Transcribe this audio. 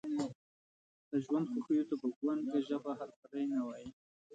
د ژوند خوښیو ته په ګونګه ژبه هرکلی نه وایي.